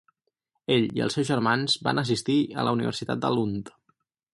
Ell i els seus germans van assistir a la Universitat de Lund.